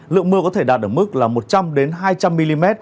lượng mưa có thể đạt ở mức là một trăm linh hai trăm linh mm